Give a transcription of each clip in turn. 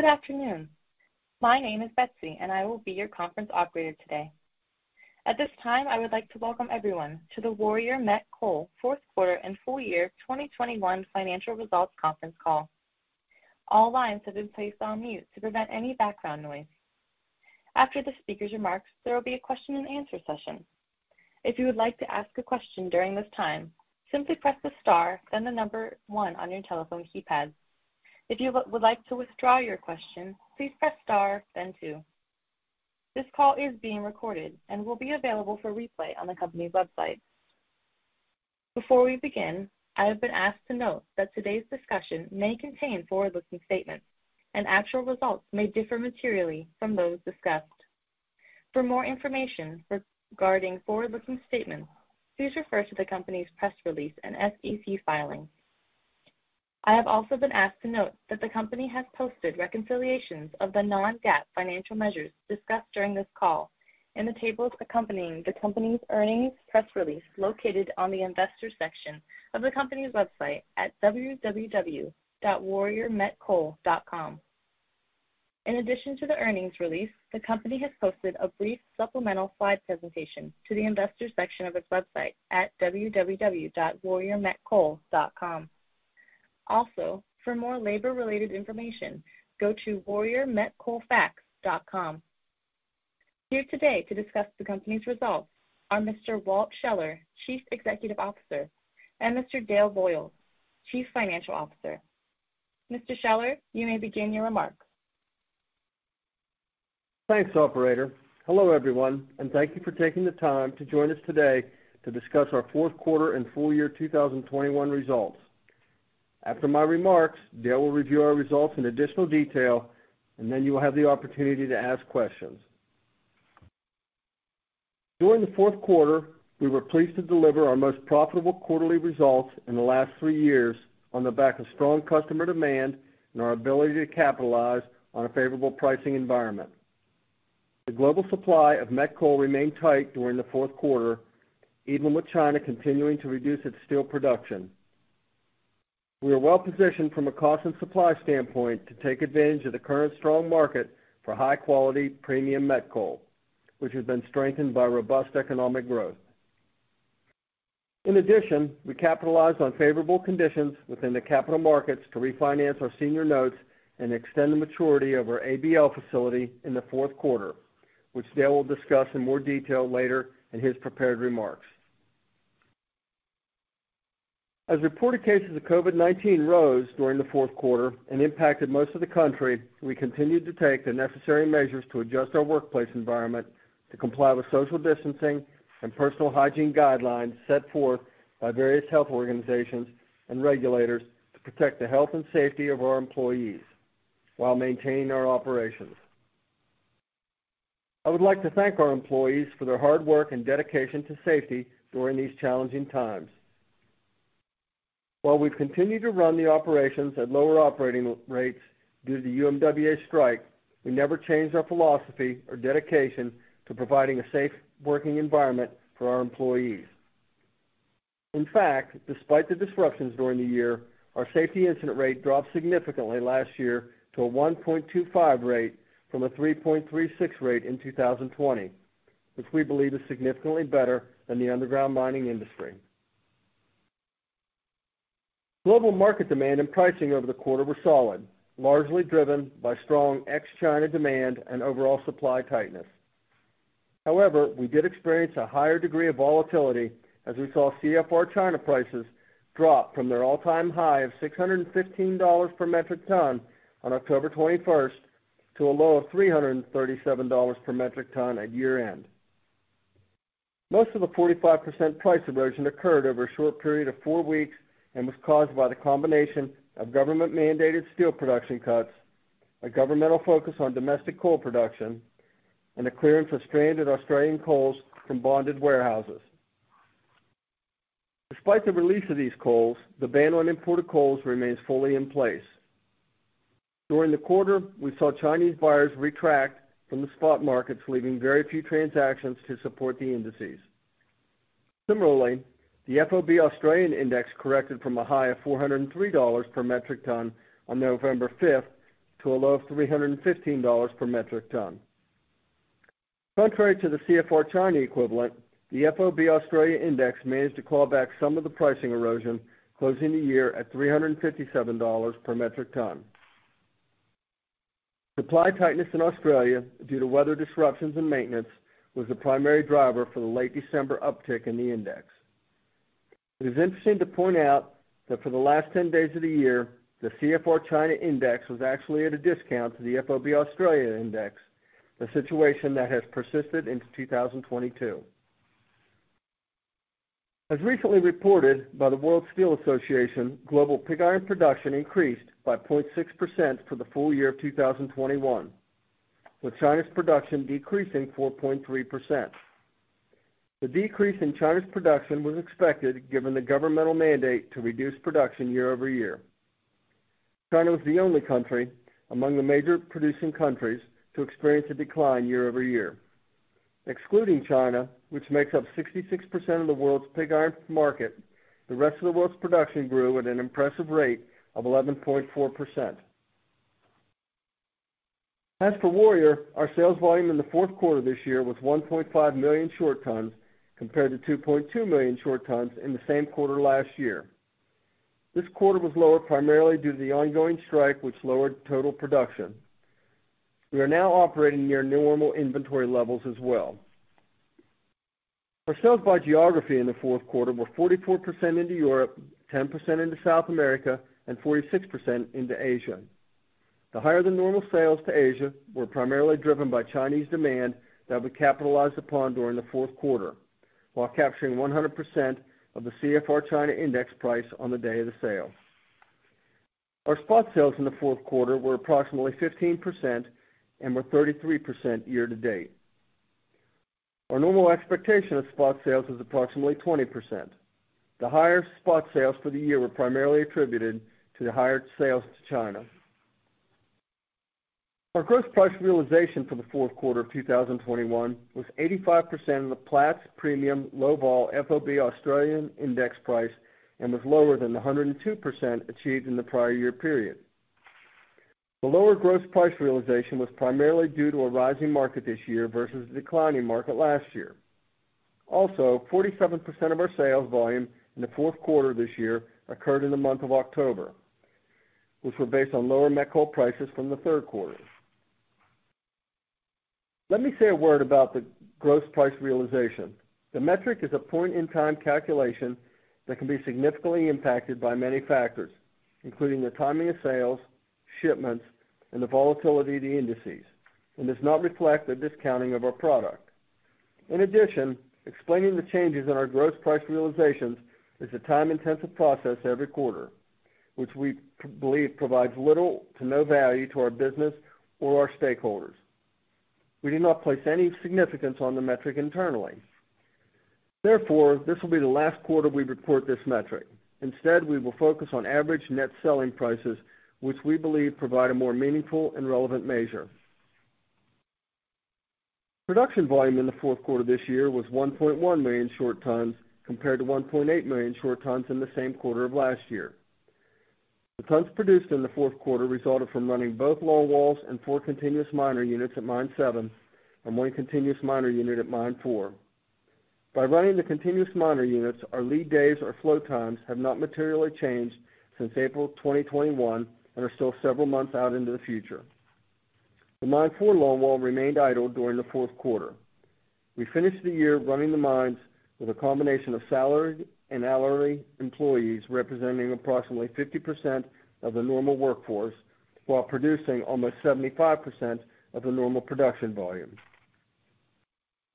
Good afternoon. My name is Betsy, and I will be your conference operator today. At this time, I would like to welcome everyone to the Warrior Met Coal Q4 and full year 2021 financial results conference call. All lines have been placed on mute to prevent any background noise. After the speaker's remarks, there will be a question-and-answer session. If you would like to ask a question during this time, simply press the star, then 1 on your telephone keypad. If you would like to withdraw your question, please press star, then 2. This call is being recorded and will be available for replay on the company's website. Before we begin, I have been asked to note that today's discussion may contain forward-looking statements, and actual results may differ materially from those discussed. For more information regarding forward-looking statements, please refer to the company's press release and SEC filing. I have also been asked to note that the company has posted reconciliations of the non-GAAP financial measures discussed during this call in the tables accompanying the company's earnings press release located on the investor section of the company's website at www.warriormetcoal.com. In addition to the earnings release, the company has posted a brief supplemental slide presentation to the investor section of its website at www.warriormetcoal.com. Also, for more labor-related information, go to warriormetcoalfacts.com. Here today to discuss the company's results are Mr. Walt Scheller, Chief Executive Officer, and Mr. Dale Boyles, Chief Financial Officer. Mr. Sheller, you may begin your remarks. Thanks, operator. Hello, everyone, and thank you for taking the time to join us today to discuss ourQ4 and full year 2021 results. After my remarks, Dale will review our results in additional detail, and then you will have the opportunity to ask questions. During theQ4, we were pleased to deliver our most profitable quarterly results in the last three years on the back of strong customer demand and our ability to capitalize on a favorable pricing environment. The global supply of met coal remained tight during theQ4, even with China continuing to reduce its steel production. We are well-positioned from a cost and supply standpoint to take advantage of the current strong market for high-quality premium met coal, which has been strengthened by robust economic growth. In addition, we capitalized on favorable conditions within the capital markets to refinance our senior notes and extend the maturity of our ABL facility in theQ4, which Dale will discuss in more detail later in his prepared remarks. As reported cases of COVID-19 rose during theQ4 and impacted most of the country, we continued to take the necessary measures to adjust our workplace environment to comply with social distancing and personal hygiene guidelines set forth by various health organizations and regulators to protect the health and safety of our employees while maintaining our operations. I would like to thank our employees for their hard work and dedication to safety during these challenging times. While we've continued to run the operations at lower operating rates due to the UMWA strike, we never changed our philosophy or dedication to providing a safe working environment for our employees. In fact, despite the disruptions during the year, our safety incident rate dropped significantly last year to a 1.25 rate from a 3.36 rate in 2020, which we believe is significantly better than the underground mining industry. Global market demand and pricing over the quarter were solid, largely driven by strong ex-China demand and overall supply tightness. However, we did experience a higher degree of volatility as we saw CFR China prices drop from their all-time high of $615 per metric ton on October twenty-first to a low of $337 per metric ton at year-end. Most of the 45% price erosion occurred over a short period of 4 weeks and was caused by the combination of government-mandated steel production cuts, a governmental focus on domestic coal production, and the clearance of stranded Australian coals from bonded warehouses. Despite the release of these coals, the ban on imported coals remains fully in place. During the quarter, we saw Chinese buyers retract from the spot markets, leaving very few transactions to support the indices. Similarly, the FOB Australian index corrected from a high of $403 per metric ton on November fifth to a low of $315 per metric ton. Contrary to the CFR China equivalent, the FOB Australia index managed to claw back some of the pricing erosion, closing the year at $357 per metric ton. Supply tightness in Australia due to weather disruptions and maintenance was the primary driver for the late December uptick in the index. It is interesting to point out that for the last 10 days of the year, the CFR China index was actually at a discount to the FOB Australia index, a situation that has persisted into 2022. As recently reported by the World Steel Association, global pig iron production increased by 0.6% for the full year of 2021, with China's production decreasing 4.3%. The decrease in China's production was expected, given the governmental mandate to reduce production year-over-year. China was the only country among the major producing countries to experience a decline year-over-year. Excluding China, which makes up 66% of the world's pig iron market, the rest of the world's production grew at an impressive rate of 11.4%. As for Warrior, our sales volume in theQ4 this year was 1.5 million short tons compared to 2.2 million short tons in the same quarter last year. This quarter was lower primarily due to the ongoing strike which lowered total production. We are now operating near normal inventory levels as well. Our sales by geography in theQ4 were 44% into Europe, 10% into South America, and 46% into Asia. The higher than normal sales to Asia were primarily driven by Chinese demand that we capitalized upon during theQ4, while capturing 100% of the CFR China index price on the day of the sale. Our spot sales in theQ4 were approximately 15% and were 33% year-to-date. Our normal expectation of spot sales is approximately 20%. The higher spot sales for the year were primarily attributed to the higher sales to China. Our gross price realization for theQ4 of 2021 was 85% of the Platts Premium Low Vol FOB Australian index price and was lower than the 102% achieved in the prior year period. The lower gross price realization was primarily due to a rising market this year versus a declining market last year. 47% of our sales volume in theQ4 this year occurred in the month of October, which were based on lower met coal prices from the Q3. Let me say a word about the gross price realization. The metric is a point-in-time calculation that can be significantly impacted by many factors, including the timing of sales, shipments, and the volatility of the indices, and does not reflect the discounting of our product. In addition, explaining the changes in our gross price realizations is a time-intensive process every quarter, which we believe provides little to no value to our business or our stakeholders. We do not place any significance on the metric internally. Therefore, this will be the last quarter we report this metric. Instead, we will focus on average net selling prices, which we believe provide a more meaningful and relevant measure. Production volume in theQ4 this year was 1.1 million short tons compared to 1.8 million short tons in the same quarter of last year. The tons produced in theQ4 resulted from running both longwalls and 4 continuous miner units at Mine 7 and 1 continuous miner unit at Mine 4. By running the continuous miner units, our lead days or flow times have not materially changed since April 2021 and are still several months out into the future. The Mine 4 longwall remained idle during theQ4. We finished the year running the mines with a combination of salary and hourly employees representing approximately 50% of the normal workforce while producing almost 75% of the normal production volume.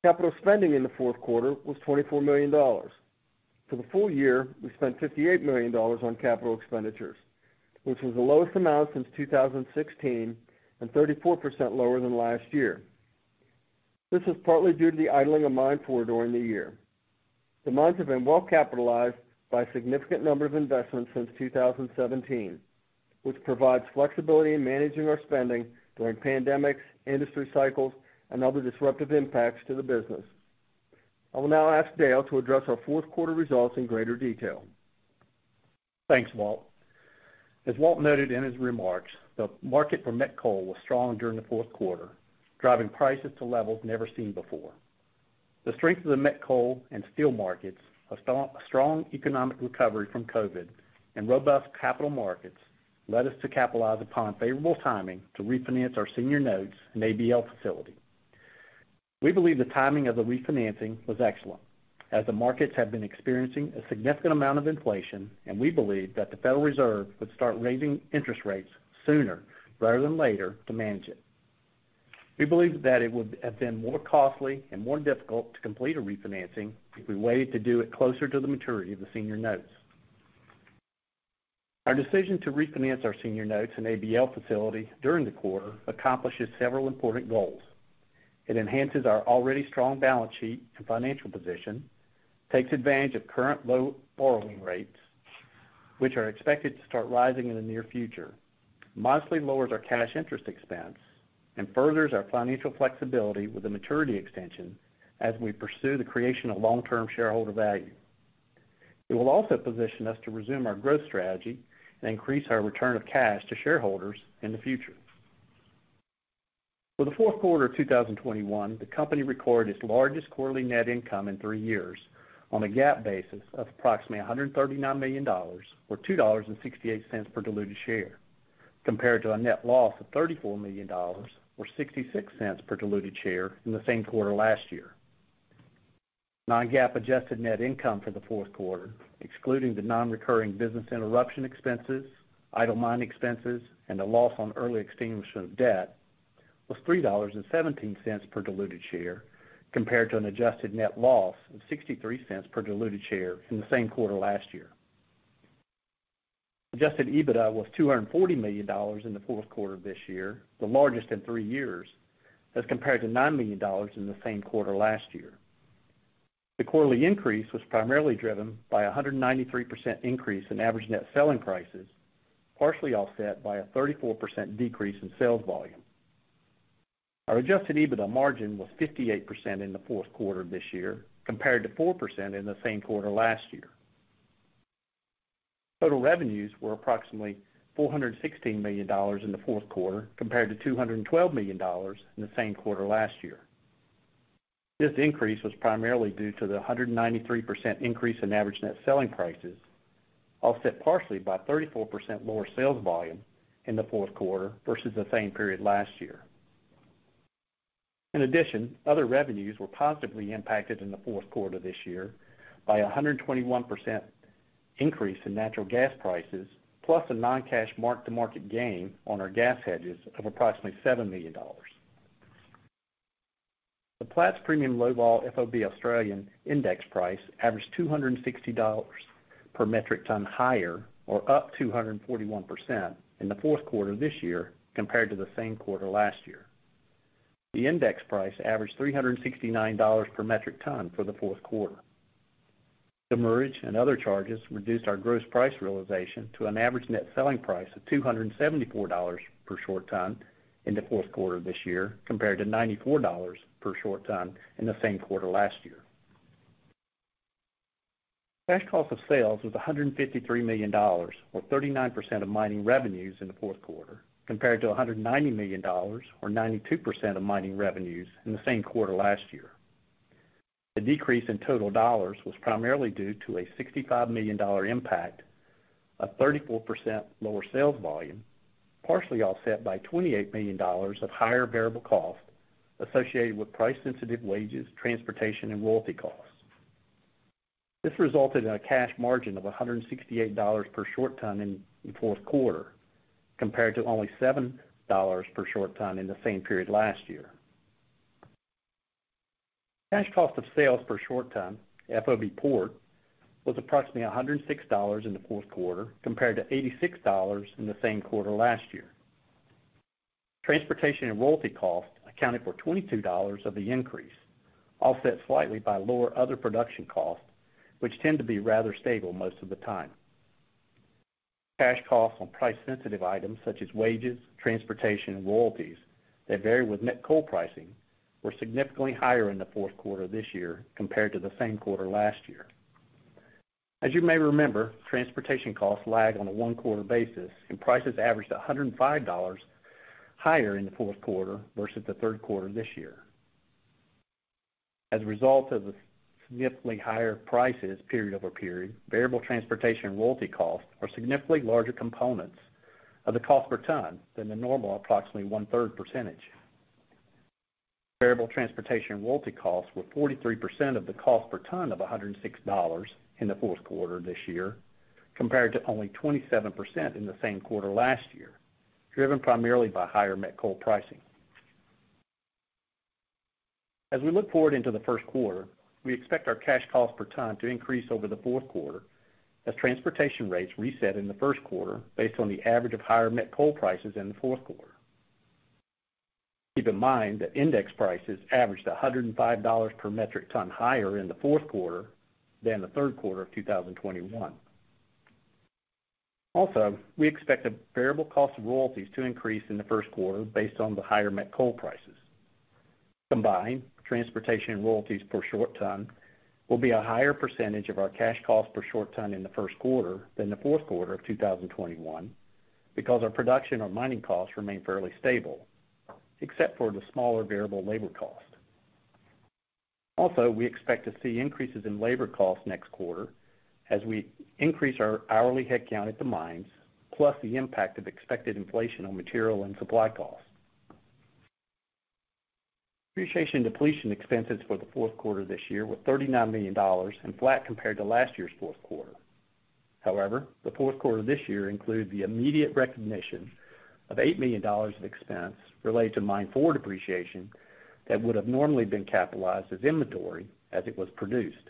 Capital spending in theQ4 was $24 million. For the full year, we spent $58 million on capital expenditures, which was the lowest amount since 2016 and 34% lower than last year. This is partly due to the idling of Mine 4 during the year. The mines have been well capitalized by a significant number of investments since 2017, which provides flexibility in managing our spending during pandemics, industry cycles, and other disruptive impacts to the business. I will now ask Dale to address ourQ4 results in greater detail. Thanks, Walt. As Walt noted in his remarks, the market for met coal was strong during theQ4, driving prices to levels never seen before. The strength of the met coal and steel markets, strong economic recovery from COVID, and robust capital markets led us to capitalize upon favorable timing to refinance our senior notes and ABL facility. We believe the timing of the refinancing was excellent, as the markets have been experiencing a significant amount of inflation, and we believe that the Federal Reserve would start raising interest rates sooner rather than later to manage it. We believe that it would have been more costly and more difficult to complete a refinancing if we waited to do it closer to the maturity of the senior notes. Our decision to refinance our senior notes and ABL facility during the quarter accomplishes several important goals. It enhances our already strong balance sheet and financial position, takes advantage of current low borrowing rates, which are expected to start rising in the near future, modestly lowers our cash interest expense, and furthers our financial flexibility with the maturity extension as we pursue the creation of long-term shareholder value. It will also position us to resume our growth strategy and increase our return of cash to shareholders in the future. For theQ4 of 2021, the company recorded its largest quarterly net income in three years on a GAAP basis of approximately $139 million or $2.68 per diluted share, compared to a net loss of $34 million or $0.66 per diluted share in the same quarter last year. Non-GAAP adjusted net income for theQ4, excluding the non-recurring business interruption expenses, idle mine expenses, and a loss on early extinguishment of debt, was $3.17 per diluted share compared to an adjusted net loss of $0.63 per diluted share in the same quarter last year. Adjusted EBITDA was $240 million in theQ4 this year, the largest in three years as compared to $9 million in the same quarter last year. The quarterly increase was primarily driven by a 193% increase in average net selling prices, partially offset by a 34% decrease in sales volume. Our adjusted EBITDA margin was 58% in theQ4 this year, compared to 4% in the same quarter last year. Total revenues were approximately $416 million in theQ4, compared to $212 million in the same quarter last year. This increase was primarily due to the 193% increase in average net selling prices, offset partially by 34% lower sales volume in theQ4 versus the same period last year. In addition, other revenues were positively impacted in theQ4 this year by a 121% increase in natural gas prices, plus a non-cash mark-to-market gain on our gas hedges of approximately $7 million. The Platts Premium Low Vol FOB Australian index price averaged $260 per metric ton higher or up 241% in theQ4 this year compared to the same quarter last year. The index price averaged $369 per metric ton for theQ4. The merger and other charges reduced our gross price realization to an average net selling price of $274 per short ton in theQ4 this year, compared to $94 per short ton in the same quarter last year. Cash cost of sales was $153 million or 39% of mining revenues in theQ4, compared to $190 million or 92% of mining revenues in the same quarter last year. The decrease in total dollars was primarily due to a $65 million impact of 34% lower sales volume, partially offset by $28 million of higher variable cost associated with price sensitive wages, transportation, and royalty costs. This resulted in a cash margin of $168 per short ton in theQ4, compared to only $7 per short ton in the same period last year. Cash cost of sales per short ton FOB port was approximately $106 in theQ4 compared to $86 in the same quarter last year. Transportation and royalty costs accounted for $22 of the increase, offset slightly by lower other production costs, which tend to be rather stable most of the time. Cash costs on price sensitive items such as wages, transportation, and royalties that vary with met coal pricing were significantly higher in theQ4 this year compared to the same quarter last year. As you may remember, transportation costs lag on a 1-quarter basis, and prices averaged $105 higher in theQ4 versus the Q3 this year. As a result of the significantly higher prices period-over-period, variable transportation and royalty costs are significantly larger components of the cost per ton than the normal approximately one-third percentage. Variable transportation and royalty costs were 43% of the cost per ton of $106 in theQ4 this year, compared to only 27% in the same quarter last year, driven primarily by higher met coal pricing. As we look forward into the Q1, we expect our cash cost per ton to increase over theQ4 as transportation rates reset in the Q1 based on the average of higher met coal prices in theQ4. Keep in mind that index prices averaged $105 per metric ton higher in theQ4 than the Q3 of 2021. Also, we expect the variable cost of royalties to increase in the Q1 based on the higher met coal prices. Combined, transportation and royalties per short ton will be a higher percentage of our cash cost per short ton in the Q1 than theQ4 of 2021 because our production or mining costs remain fairly stable except for the smaller variable labor cost. Also, we expect to see increases in labor costs next quarter as we increase our hourly headcount at the mines, plus the impact of expected inflation on material and supply costs. Depreciation and depletion expenses for theQ4 this year were $39 million and flat compared to last year'sQ4. However, theQ4 this year included the immediate recognition of $8 million of expense related to Mine Four depreciation that would have normally been capitalized as inventory as it was produced.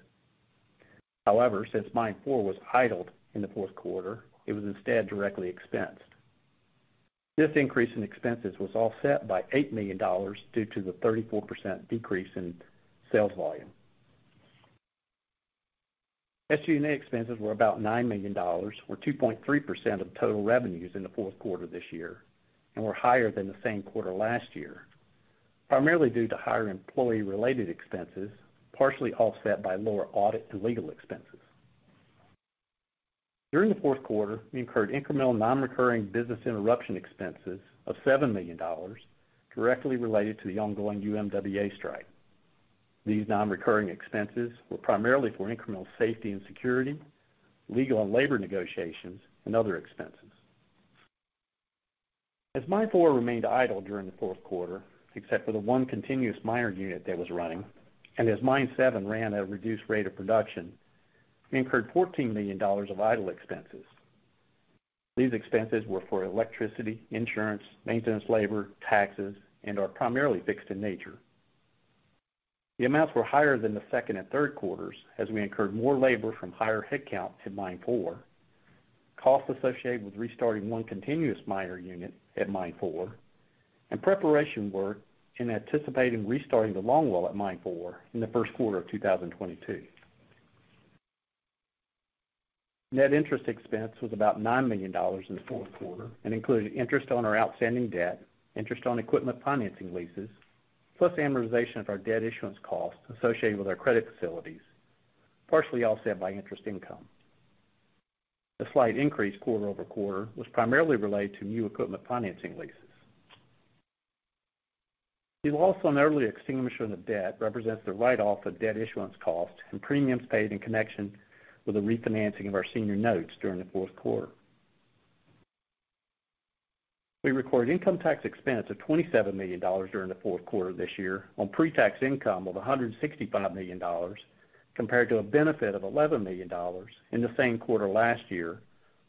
However, since Mine Four was idled in theQ4, it was instead directly expensed. This increase in expenses was offset by $8 million due to the 34% decrease in sales volume. SG&A expenses were about $9 million or 2.3% of total revenues in theQ4 this year and were higher than the same quarter last year, primarily due to higher employee-related expenses, partially offset by lower audit and legal expenses. During theQ4, we incurred incremental non-recurring business interruption expenses of $7 million directly related to the ongoing UMWA strike. These non-recurring expenses were primarily for incremental safety and security, legal and labor negotiations, and other expenses. As Mine Four remained idle during theQ4, except for the one continuous miner unit that was running, and as Mine Seven ran at a reduced rate of production, we incurred $14 million of idle expenses. These expenses were for electricity, insurance, maintenance, labor, taxes, and are primarily fixed in nature. The amounts were higher than the second and Q3s as we incurred more labor from higher headcount in Mine Four. Costs associated with restarting one continuous miner unit at Mine Four, and preparation work in anticipating restarting the longwall at Mine Four in the Q1 of 2022. Net interest expense was about $9 million in theQ4 and included interest on our outstanding debt, interest on equipment financing leases, plus amortization of our debt issuance costs associated with our credit facilities, partially offset by interest income. The slight increase quarter-over-quarter was primarily related to new equipment financing leases. The loss on early extinguishment of debt represents the write-off of debt issuance costs and premiums paid in connection with the refinancing of our senior notes during theQ4. We recorded income tax expense of $27 million during theQ4 this year on pre-tax income of $165 million compared to a benefit of $11 million in the same quarter last year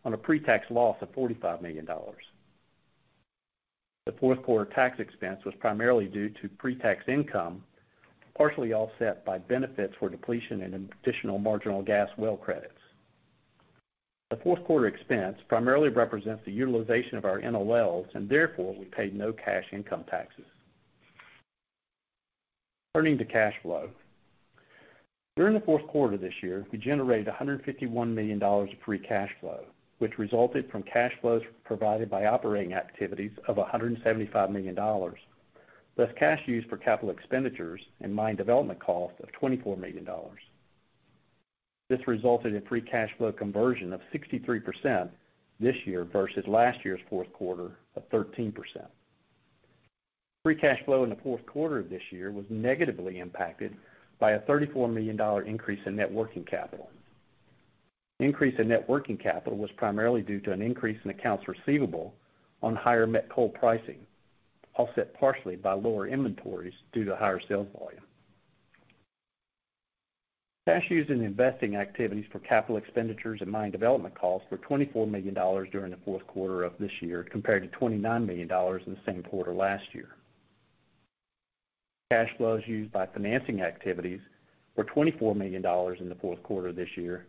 on a pre-tax loss of $45 million. TheQ4 tax expense was primarily due to pre-tax income, partially offset by benefits for depletion and additional marginal gas well credits. TheQ4 expense primarily represents the utilization of our NOLs, and therefore we paid no cash income taxes. Turning to cash flow. During theQ4 this year, we generated $151 million of free cash flow, which resulted from cash flows provided by operating activities of $175 million, less cash used for capital expenditures and mine development costs of $24 million. This resulted in free cash flow conversion of 63% this year versus last year'sQ4 of 13%. Free cash flow in theQ4 of this year was negatively impacted by a $34 million increase in net working capital. The increase in net working capital was primarily due to an increase in accounts receivable on higher met coal pricing, offset partially by lower inventories due to higher sales volume. Cash used in investing activities for capital expenditures and mine development costs were $24 million during theQ4 of this year compared to $29 million in the same quarter last year. Cash flows used by financing activities were $24 million in theQ4 this year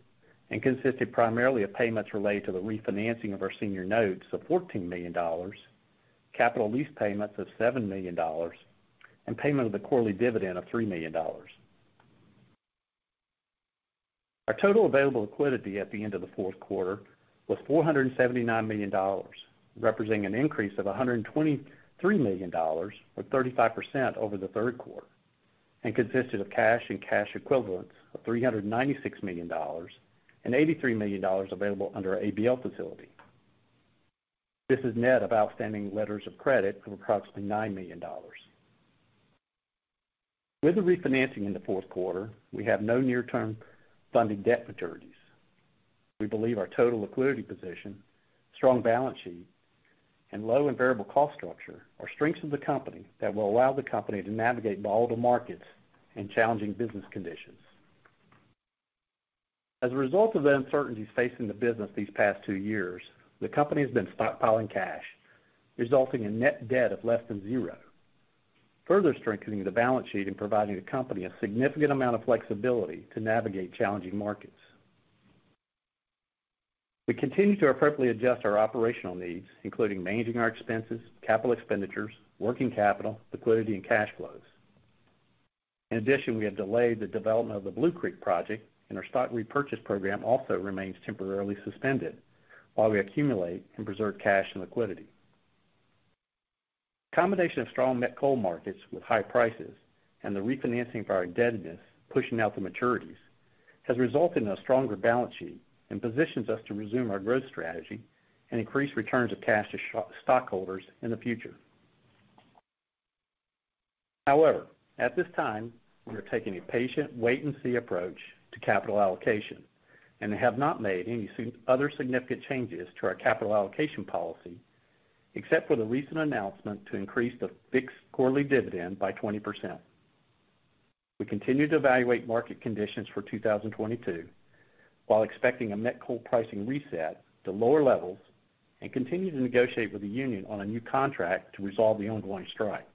and consisted primarily of payments related to the refinancing of our senior notes of $14 million, capital lease payments of $7 million, and payment of the quarterly dividend of $3 million. Our total available liquidity at the end of theQ4 was $479 million, representing an increase of $123 million or 35% over the Q3, and consisted of cash and cash equivalents of $396 million and $83 million available under our ABL facility. This is net of outstanding letters of credit of approximately $9 million. With the refinancing in theQ4, we have no near-term funding debt maturities. We believe our total liquidity position, strong balance sheet, and low and variable cost structure are strengths of the company that will allow the company to navigate volatile markets and challenging business conditions. As a result of the uncertainties facing the business these past two years, the company has been stockpiling cash, resulting in net debt of less than zero, further strengthening the balance sheet and providing the company a significant amount of flexibility to navigate challenging markets. We continue to appropriately adjust our operational needs, including managing our expenses, capital expenditures, working capital, liquidity, and cash flows. In addition, we have delayed the development of the Blue Creek project, and our stock repurchase program also remains temporarily suspended while we accumulate and preserve cash and liquidity. A combination of strong met coal markets with high prices and the refinancing of our indebtedness pushing out the maturities has resulted in a stronger balance sheet and positions us to resume our growth strategy and increase returns of cash to stockholders in the future. However, at this time, we are taking a patient wait and see approach to capital allocation and have not made any other significant changes to our capital allocation policy, except for the recent announcement to increase the fixed quarterly dividend by 20%. We continue to evaluate market conditions for 2022, while expecting a met coal pricing reset to lower levels and continue to negotiate with the union on a new contract to resolve the ongoing strike.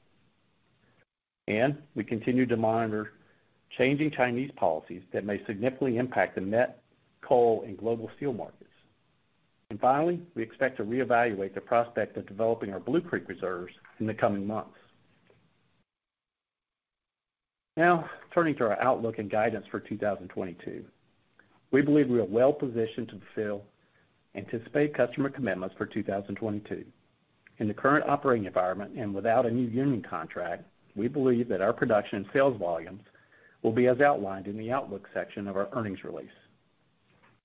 We continue to monitor changing Chinese policies that may significantly impact the met coal and global steel markets. Finally, we expect to reevaluate the prospect of developing our Blue Creek reserves in the coming months. Now, turning to our outlook and guidance for 2022. We believe we are well positioned to fulfill anticipated customer commitments for 2022. In the current operating environment and without a new union contract, we believe that our production and sales volumes will be as outlined in the Outlook section of our earnings release.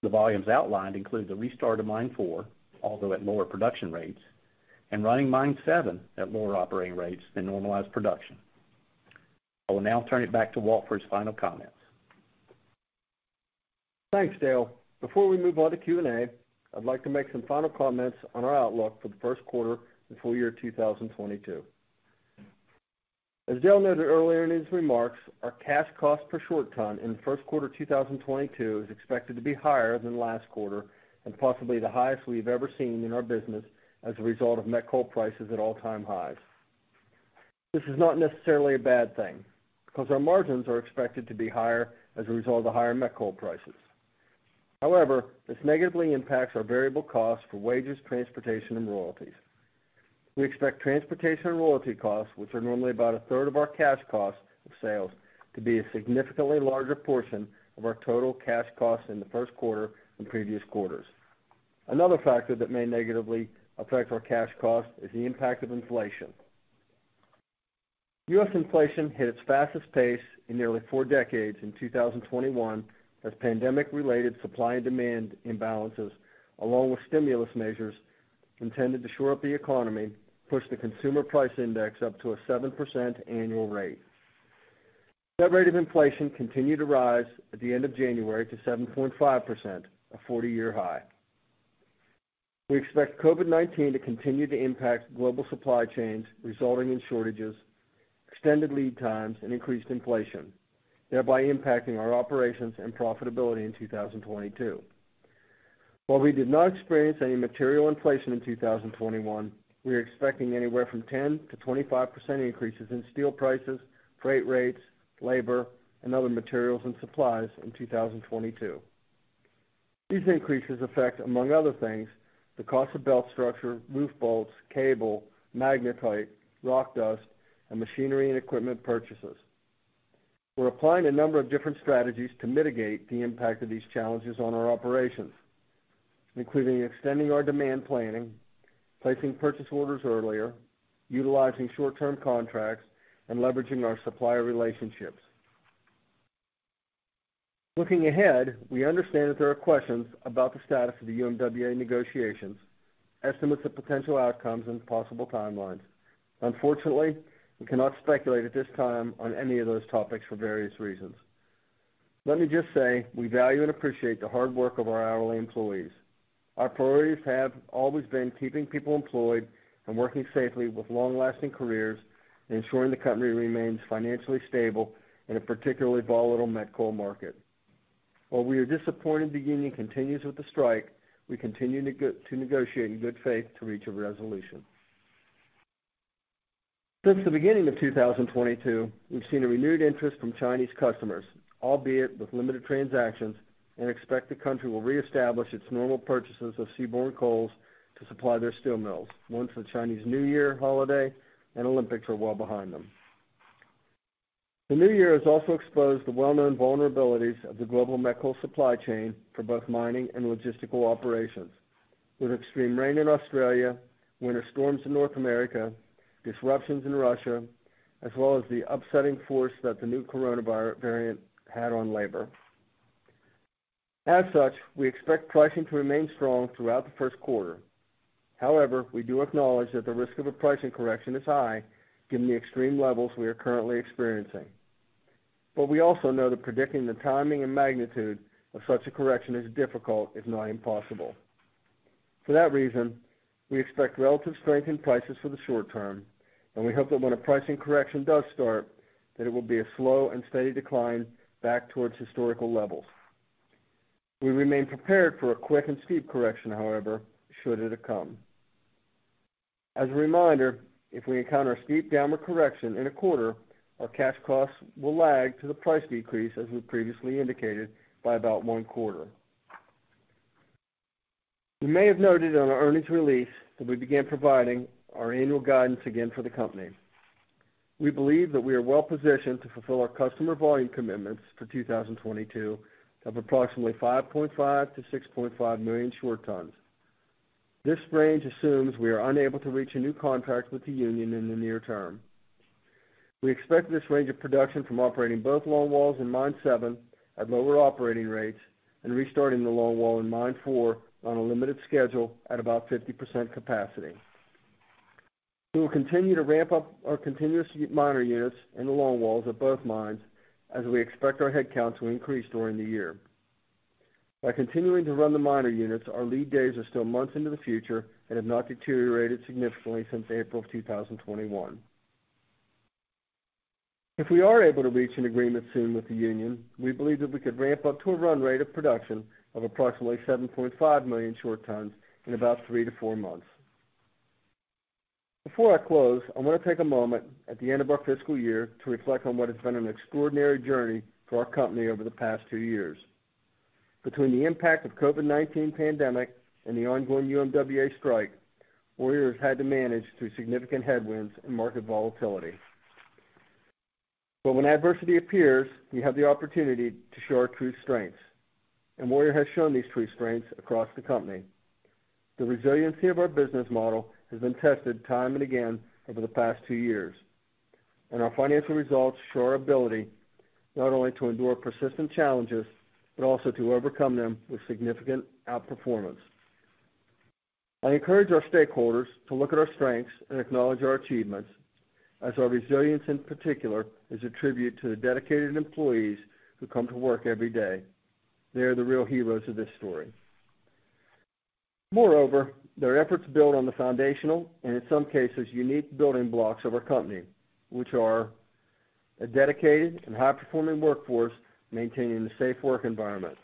The volumes outlined include the restart of Mine Four, although at lower production rates, and running Mine Seven at lower operating rates than normalized production. I will now turn it back to Walt for his final comments. Thanks, Dale. Before we move on to Q&A, I'd like to make some final comments on our outlook for the Q1 and full year 2022. As Dale noted earlier in his remarks, our cash cost per short ton in the Q1 of 2022 is expected to be higher than last quarter and possibly the highest we've ever seen in our business as a result of met coal prices at all-time highs. This is not necessarily a bad thing because our margins are expected to be higher as a result of higher met coal prices. However, this negatively impacts our variable costs for wages, transportation, and royalties. We expect transportation and royalty costs, which are normally about a third of our cash costs of sales, to be a significantly larger portion of our total cash costs in the Q1 than previous quarters. Another factor that may negatively affect our cash cost is the impact of inflation. U.S. inflation hit its fastest pace in nearly four decades in 2021 as pandemic-related supply and demand imbalances, along with stimulus measures intended to shore up the economy, pushed the Consumer Price Index up to a 7% annual rate. That rate of inflation continued to rise at the end of January to 7.5%, a 40-year high. We expect COVID-19 to continue to impact global supply chains, resulting in shortages, extended lead times, and increased inflation, thereby impacting our operations and profitability in 2022. While we did not experience any material inflation in 2021, we are expecting anywhere from 10%-25% increases in steel prices, freight rates, labor, and other materials and supplies in 2022. These increases affect, among other things, the cost of belt structure, roof bolts, cable, magnetite, rock dust, and machinery and equipment purchases. We're applying a number of different strategies to mitigate the impact of these challenges on our operations, including extending our demand planning, placing purchase orders earlier, utilizing short-term contracts, and leveraging our supplier relationships. Looking ahead, we understand that there are questions about the status of the UMWA negotiations, estimates of potential outcomes and possible timelines. Unfortunately, we cannot speculate at this time on any of those topics for various reasons. Let me just say, we value and appreciate the hard work of our hourly employees. Our priorities have always been keeping people employed and working safely with long-lasting careers and ensuring the company remains financially stable in a particularly volatile met coal market. While we are disappointed the union continues with the strike, we continue to negotiate in good faith to reach a resolution. Since the beginning of 2022, we've seen a renewed interest from Chinese customers, albeit with limited transactions, and expect the country will reestablish its normal purchases of seaborne coal to supply their steel mills once the Chinese New Year holiday and Olympics are well behind them. The new year has also exposed the well-known vulnerabilities of the global met coal supply chain for both mining and logistical operations with extreme rain in Australia, winter storms in North America, disruptions in Russia, as well as the upsetting force that the new coronavirus variant had on labor. As such, we expect pricing to remain strong throughout the Q1. However, we do acknowledge that the risk of a pricing correction is high given the extreme levels we are currently experiencing. We also know that predicting the timing and magnitude of such a correction is difficult, if not impossible. For that reason, we expect relative strength in prices for the short term, and we hope that when a pricing correction does start, that it will be a slow and steady decline back towards historical levels. We remain prepared for a quick and steep correction, however, should it come. As a reminder, if we encounter a steep downward correction in a quarter, our cash costs will lag to the price decrease, as we previously indicated, by about one quarter. You may have noted on our earnings release that we began providing our annual guidance again for the company. We believe that we are well-positioned to fulfill our customer volume commitments for 2022 of approximately 5.5-6.5 million short tons. This range assumes we are unable to reach a new contract with the union in the near term. We expect this range of production from operating both longwalls in Mine 7 at lower operating rates and restarting the longwall in Mine 4 on a limited schedule at about 50% capacity. We will continue to ramp up our continuous miner units in the longwalls at both mines as we expect our headcount to increase during the year. By continuing to run the miner units, our lead days are still months into the future and have not deteriorated significantly since April of 2021. If we are able to reach an agreement soon with the union, we believe that we could ramp up to a run rate of production of approximately 7.5 million short tons in about 3-4 months. Before I close, I wanna take a moment at the end of our fiscal year to reflect on what has been an extraordinary journey for our company over the past two years. Between the impact of COVID-19 pandemic and the ongoing UMWA strike, Warrior has had to manage through significant headwinds and market volatility. When adversity appears, we have the opportunity to show our true strengths, and Warrior has shown these true strengths across the company. The resiliency of our business model has been tested time and again over the past two years. Our financial results show our ability not only to endure persistent challenges, but also to overcome them with significant outperformance. I encourage our stakeholders to look at our strengths and acknowledge our achievements as our resilience, in particular, is a tribute to the dedicated employees who come to work every day. They are the real heroes of this story. Moreover, their efforts build on the foundational and, in some cases, unique building blocks of our company, which are a dedicated and high-performing workforce maintaining a safe work environment.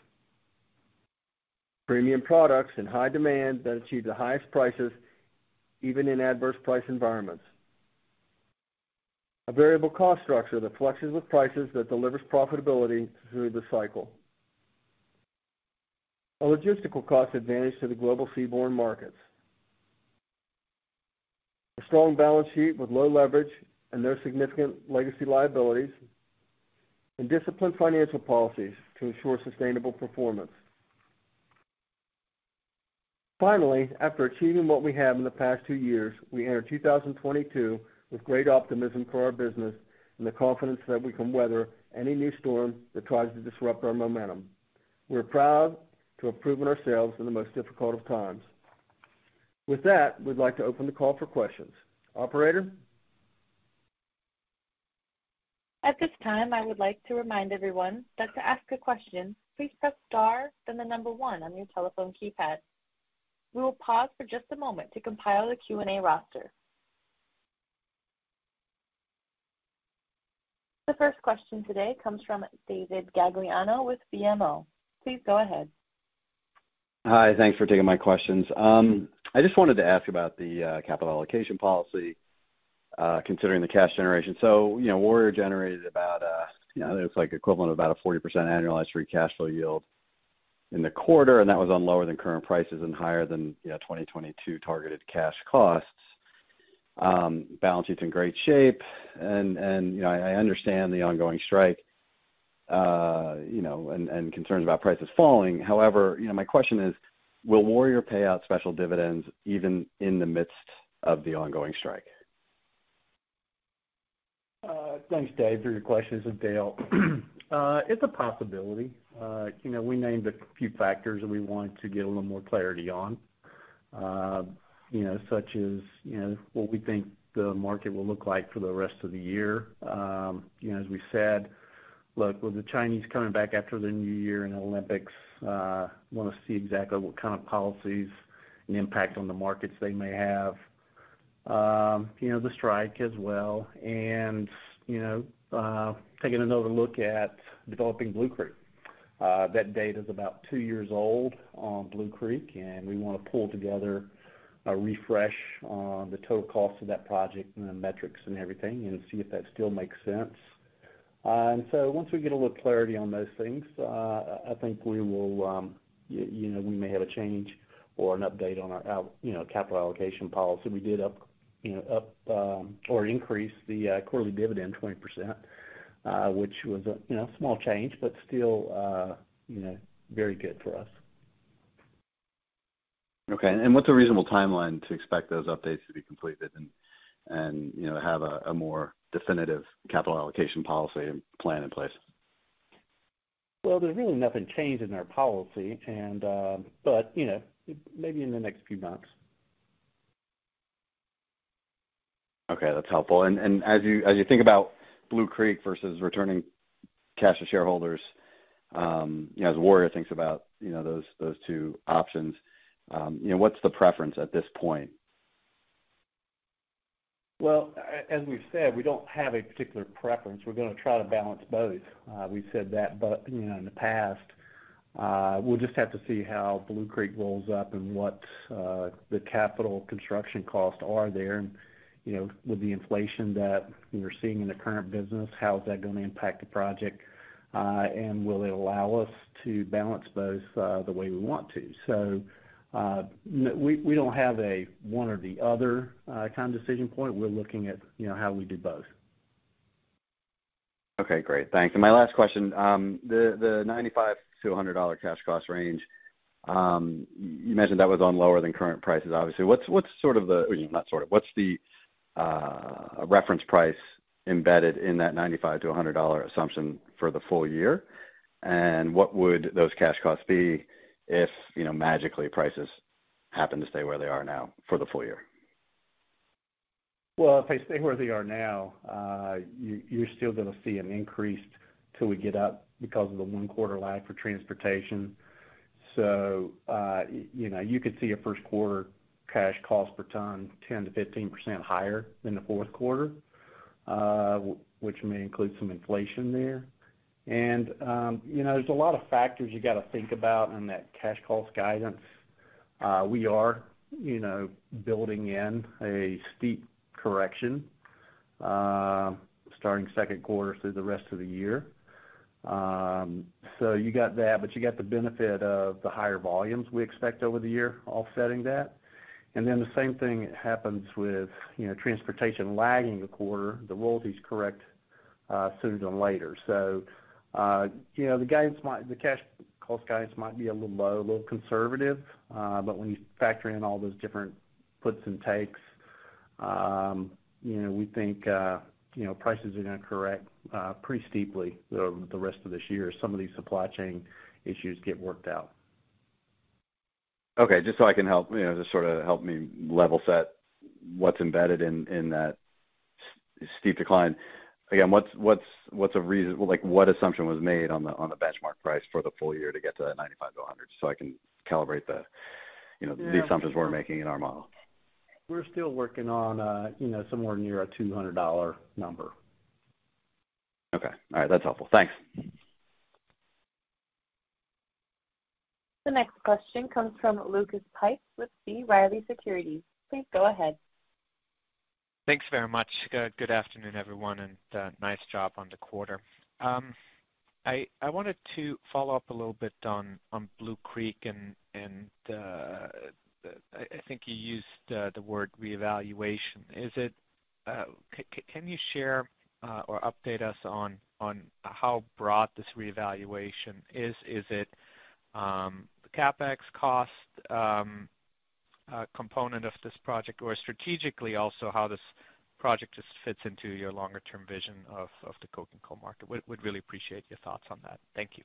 Premium products in high demand that achieve the highest prices even in adverse price environments. A variable cost structure that flexes with prices that delivers profitability through the cycle. A logistical cost advantage to the global seaborne markets. A strong balance sheet with low leverage and no significant legacy liabilities, and disciplined financial policies to ensure sustainable performance. Finally, after achieving what we have in the past two years, we enter 2022 with great optimism for our business and the confidence that we can weather any new storm that tries to disrupt our momentum. We're proud to have proven ourselves in the most difficult of times. With that, we'd like to open the call for questions. Operator? At this time, I would like to remind everyone that to ask a question, please press star, then 1 on your telephone keypad. We will pause for just a moment to compile the Q&A roster. The first question today comes from David Gagliano with BMO. Please go ahead. Hi. Thanks for taking my questions. I just wanted to ask about the capital allocation policy, considering the cash generation., Warrior generated about it's like equivalent of about a 40% annualized free cash flow yield in the quarter, and that was on lower than current prices and higher than 2022 targeted cash costs. Balance sheet's in great shape and I understand the ongoing strike and concerns about prices falling. however my question is: Will Warrior pay out special dividends even in the midst of the ongoing strike? Thanks, Dave, for your questions. This is Dale. It's a possibility., we named a few factors that we want to get a little more clarity on., such as what we think the market will look like for the rest of the year., as we said, look, with the Chinese coming back after the new year and Olympics, wanna see exactly what kind of policies and impact on the markets they may have., the strike as well., taking another look at developing Blue Creek. That date is about two years old on Blue Creek, and we wanna pull together a refresh on the total cost of that project and the metrics and everything and see if that still makes sense. Once we get a little clarity on those things, I think we will we may have a change or an update on our capital allocation policy. We increased the quarterly dividend 20%, which was a small change, but still very good for us. Okay. What's a reasonable timeline to expect those updates to be completed and have a more definitive capital allocation policy and plan in place? Well, there's really nothing changed in our policy., maybe in the next few months. Okay. That's helpful. As you think about Blue Creek versus returning cash to shareholders as Warrior thinks about those two options what's the preference at this point? Well, as we've said, we don't have a particular preference. We're gonna try to balance both. We've said that, but, in the past, we'll just have to see how Blue Creek rolls up and what the capital construction costs are there., with the inflation that we're seeing in the current business, how is that gonna impact the project, and will it allow us to balance both the way we want to? We don't have a one or the other kind of decision point. We're looking at how we do both. Okay. Great. Thanks. My last question. The $95-$100 cash cost range, you mentioned that was on lower than current prices, obviously. What's sort of the. Not sort of. What's the reference price embedded in that $95-$100 assumption for the full year? And what would those cash costs be if magically prices happen to stay where they are now for the full year? Well, if they stay where they are now, you're still gonna see an increase till we get up because of the one quarter lag for transportation., you could see a Q1 cash cost per ton 10%-15% higher than theQ4, which may include some inflation there. , there's a lot of factors you gotta think about in that cash cost guidance. We are building in a steep correction starting Q2 through the rest of the year. You got that, but you got the benefit of the higher volumes we expect over the year offsetting that. The same thing happens with transportation lagging a quarter, the royalties correct sooner than later. , the cash cost guidance might be a little low, a little conservative, but when you factor in all those different puts and takes we think prices are gonna correct pretty steeply over the rest of this year as some of these supply chain issues get worked out. Okay. Just so I can help just sorta help me level set what's embedded in that steep decline. Well, like, what assumption was made on the benchmark price for the full year to get to that $95-$100 so I can calibrate the the assumptions we're making in our model? We're still working on somewhere near a $200 number. Okay. All right. That's helpful. Thanks. The next question comes from Lucas Pipes with B. Riley Securities. Please go ahead. Thanks very much. Good afternoon, everyone, and nice job on the quarter. I wanted to follow up a little bit on Blue Creek and I think you used the word reevaluation. Can you share or update us on how broad this reevaluation is? Is it the CapEx cost component of this project? Or strategically also, how this project just fits into your longer-term vision of the coke and coal market. Would really appreciate your thoughts on that. Thank you.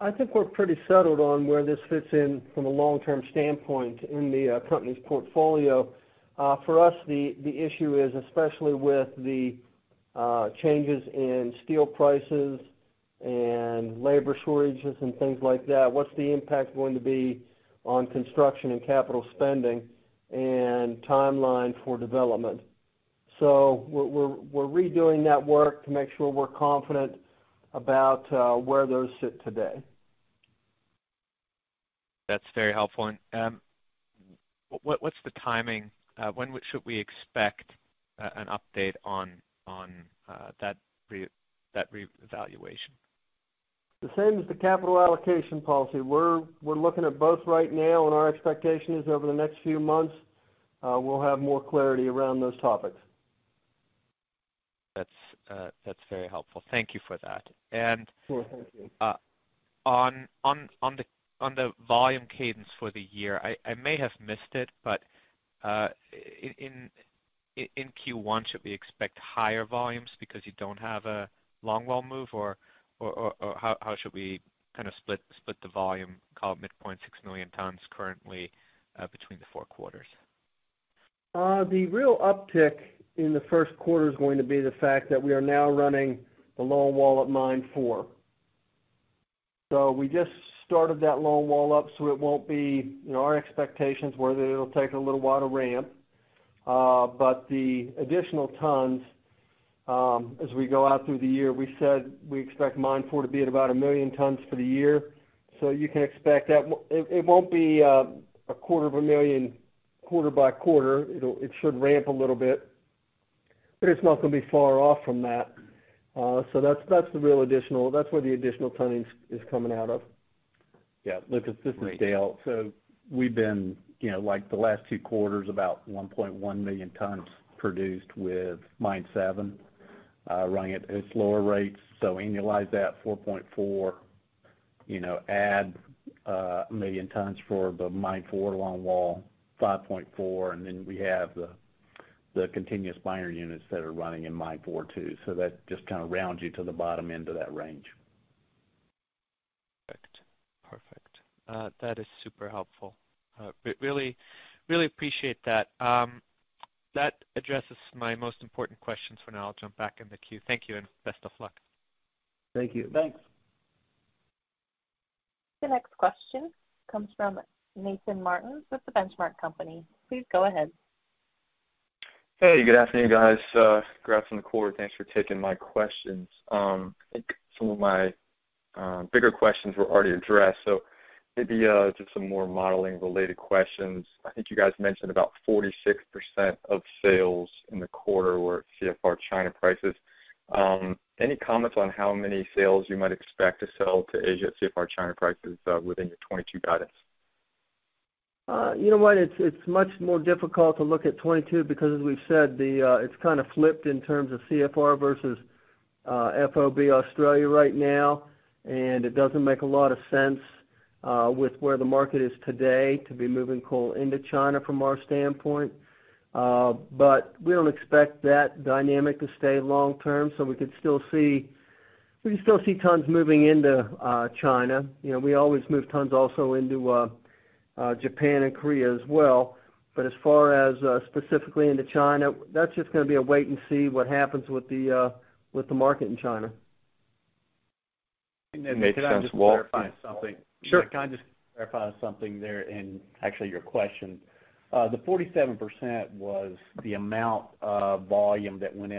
I think we're pretty settled on where this fits in from a long-term standpoint in the company's portfolio. For us, the issue is especially with the changes in steel prices and labor shortages and things like that, what's the impact going to be on construction and capital spending and timeline for development? We're redoing that work to make sure we're confident about where those sit today. That's very helpful. What's the timing? When should we expect an update on that reevaluation? The same as the capital allocation policy. We're looking at both right now, and our expectation is over the next few months, we'll have more clarity around those topics. That's very helpful. Thank you for that. Sure. Thank you. On the volume cadence for the year, I may have missed it, but in Q1, should we expect higher volumes because you don't have a longwall move? Or how should we kind of split the volume, call it midpoint 6 million tons currently between the four quarters? The real uptick in the Q1 is going to be the fact that we are now running the longwall at mine 4. We just started that longwall up, so it won't be., our expectations were that it'll take a little while to ramp. But the additional tons, as we go out through the year, we said we expect mine 4 to be at about 1 million tons for the year. You can expect that. It won't be a quarter of a million quarter by quarter. It'll ramp a little bit, but it's not gonna be far off from that. That's the real additional, that's where the additional ton is coming out of. Yeah. Lucas, this is Dale. We've been like the last two quarters, about 1.1 million tons produced with Mine 7 running at its lower rates. Annualize that 4.4 add 1 million tons for the Mine 4 longwall, 5.4, and then we have the continuous miner units that are running in Mine 4 too. That just kinda rounds you to the bottom end of that range. Perfect. That is super helpful. Really appreciate that. That addresses my most important questions for now. I'll jump back in the queue. Thank you and best of luck. Thank you. Thanks. The next question comes from Nathan Martin with The Benchmark Company. Please go ahead. Hey, good afternoon, guys. Congrats on the quarter. Thanks for taking my questions. I think some of my bigger questions were already addressed, so maybe just some more modeling-related questions. I think you guys mentioned about 46% of sales in the quarter were CFR China prices. Any comments on how many sales you might expect to sell to Asia at CFR China prices within your 2022 guidance? what? It's much more difficult to look at 2022 because as we've said, it's kinda flipped in terms of CFR versus FOB Australia right now, and it doesn't make a lot of sense with where the market is today to be moving coal into China from our standpoint. We don't expect that dynamic to stay long term, so we could still see tons moving into China., we always move tons also into Japan and Korea as well. As far as specifically into China, that's just gonna be a wait and see what happens with the market in China. Makes sense. Nathan, can I just clarify something? Sure. Can I just clarify something there in actually your question? The 47% was the amount of volume that went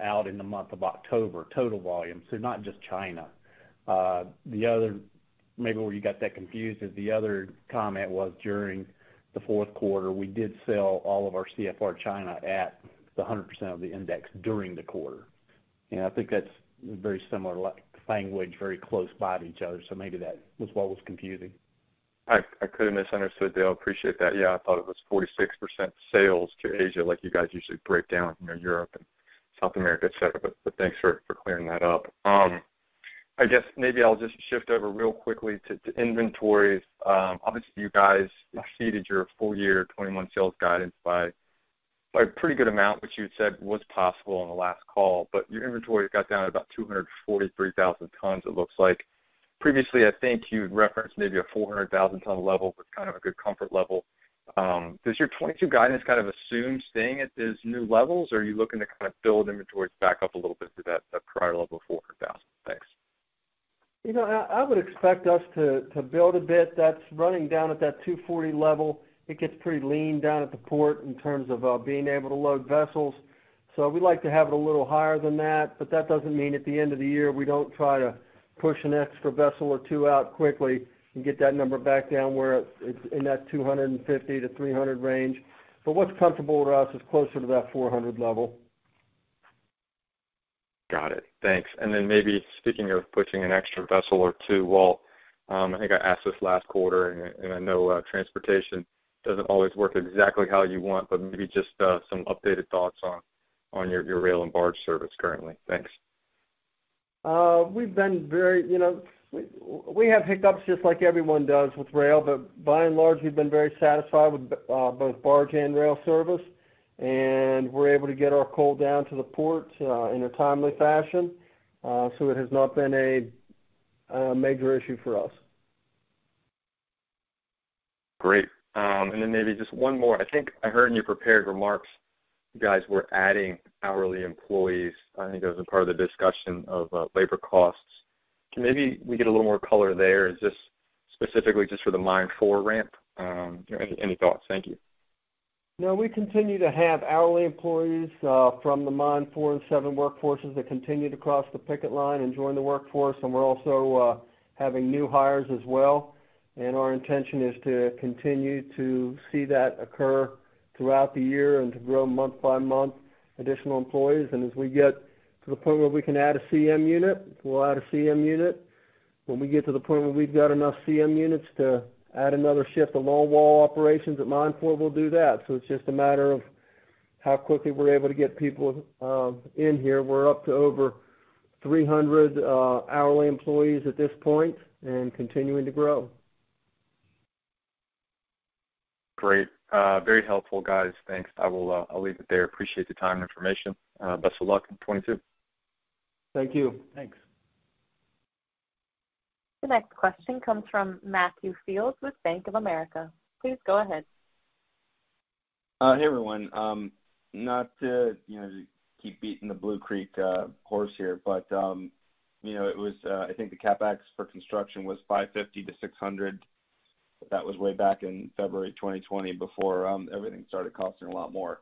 out in the month of October, total volume, so not just China. Maybe where you got that confused is the other comment was during theQ4, we did sell all of our CFR China at the 100% of the index during the quarter. I think that's very similar language, very close by to each other, so maybe that was what was confusing. I could have misunderstood, Dale. Appreciate that. Yeah, I thought it was 46% sales to Asia like you guys usually break down Europe and South America, et cetera. Thanks for clearing that up. I guess maybe I'll just shift over real quickly to inventories. Obviously you guys exceeded your full year 2021 sales guidance by a pretty good amount, which you had said was possible on the last call. Your inventory got down to about 243,000 tons, it looks like. Previously, I think you had referenced maybe a 400,000-ton level was kind of a good comfort level. Does your 2022 guidance kind of assume staying at these new levels, or are you looking to kind of build inventories back up a little bit to that prior level of 400,000-, I would expect us to build a bit that's running down at that 240 level. It gets pretty lean down at the port in terms of being able to load vessels. We like to have it a little higher than that. That doesn't mean at the end of the year, we don't try to push an extra vessel or two out quickly and get that number back down where it's in that 250-300 range. What's comfortable with us is closer to that 400 level. Got it. Thanks. Maybe speaking of pushing an extra vessel or two, Walt, I think I asked this last quarter, and I know transportation doesn't always work exactly how you want, but maybe just some updated thoughts on your rail and barge service currently. Thanks. we have hiccups just like everyone does with rail. By and large, we've been very satisfied with both barge and rail service. We're able to get our coal down to the port in a timely fashion. It has not been a major issue for us. Great. Maybe just one more. I think I heard in your prepared remarks, you guys were adding hourly employees. I think that was a part of the discussion of labor costs. Can maybe we get a little more color there? Is this specifically just for the mine four ramp? Any thoughts? Thank you. No, we continue to have hourly employees from the Mine 4 and 7 workforces that continued across the picket line and joined the workforce, and we're also having new hires as well. Our intention is to continue to see that occur throughout the year and to grow month by month additional employees. As we get to the point where we can add a CM unit, we'll add a CM unit. When we get to the point where we've got enough CM units to add another shift of longwall operations at Mine 4, we'll do that. It's just a matter of how quickly we're able to get people in here. We're up to over 300 hourly employees at this point and continuing to grow. Great. Very helpful, guys. Thanks. I'll leave it there. I appreciate the time and information. Best of luck in 2022. Thank you. Thanks. The next question comes from Matthew Fields with. Please go ahead. Hey, everyone. Not to keep beating the Blue Creek horse here, but, it was, I think the CapEx for construction was $550-$600. That was way back in February 2020 before everything started costing a lot more.